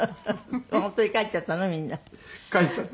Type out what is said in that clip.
本当に帰っちゃったの？